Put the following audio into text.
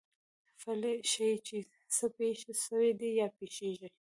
فعل ښيي، چي څه پېښ سوي دي یا پېښېږي.